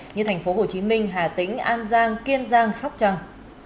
như thành phố hồ chí minh hà tĩnh an giang kiên giang sóc trăng